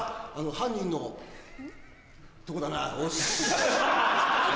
犯人のとこだなよし。